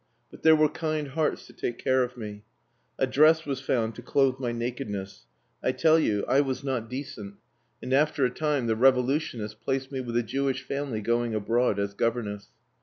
But there were kind hearts to take care of me. A dress was found to clothe my nakedness. I tell you, I was not decent and after a time the revolutionists placed me with a Jewish family going abroad, as governess.